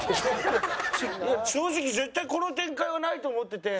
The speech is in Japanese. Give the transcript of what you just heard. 正直絶対この展開はないと思ってて